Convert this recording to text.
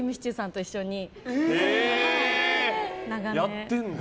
やってたんだ。